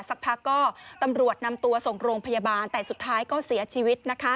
สักพักก็ตำรวจนำตัวส่งโรงพยาบาลแต่สุดท้ายก็เสียชีวิตนะคะ